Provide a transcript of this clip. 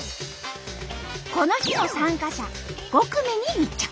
この日の参加者５組に密着。